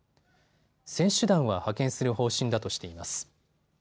選手団は派遣する方針だとしています。